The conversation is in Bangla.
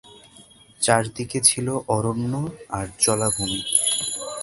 চারদিকে ছিলো অরণ্য আর জলাভূমি।